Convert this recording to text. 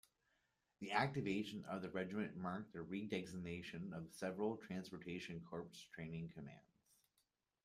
The activation of the Regiment marked the redesignation of several Transportation Corps training commands.